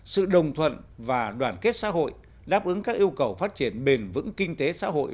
sự đồng thuận và đoàn kết xã hội đáp ứng các yêu cầu phát triển bền vững kinh tế xã hội